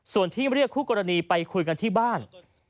ส่วนที่เรียกคู่กรณีไปคุยกันที่บ้าน